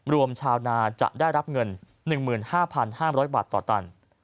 ชาวนาจะได้รับเงิน๑๕๕๐๐บาทต่อตัน